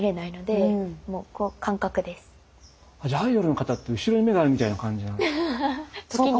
じゃあアイドルの方って後ろに目があるみたいな感じなんですか？